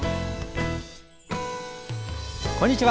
こんにちは。